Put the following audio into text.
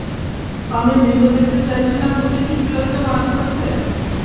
আমি মৃত দেখতে চাইছিলাম বলেই কি বিড়ালটা মারা পড়েছে!